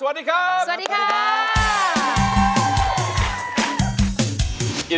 สวัสดีครับสวัสดีครับสวัสดีครับสวัสดีครับสวัสดีครับ